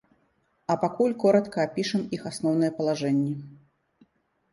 А пакуль коратка апішам іх асноўныя палажэнні.